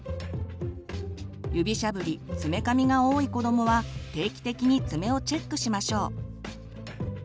指しゃぶり爪かみが多い子どもは定期的に爪をチェックしましょう。